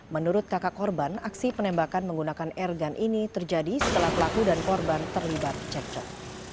menurut kakak korban aksi penembakan menggunakan airgun ini terjadi setelah pelaku dan korban terlibat cekcok